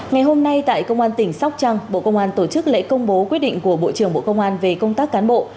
ngày hôm nay tại công an tỉnh sóc trăng bộ công an tổ chức lễ công bố quyết định của bộ trưởng bộ công an về công tác cán bộ